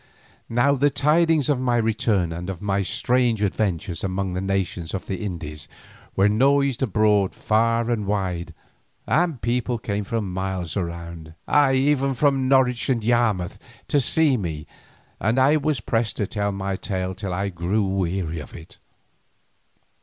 Now the tidings of my return and of my strange adventures among the nations of the Indies were noised abroad far and wide, and people came from miles round, ay, even from Norwich and Yarmouth, to see me and I was pressed to tell my tale till I grew weary of it.